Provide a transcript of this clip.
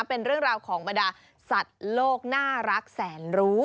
เป็นเรื่องราวของบรรดาสัตว์โลกน่ารักแสนรู้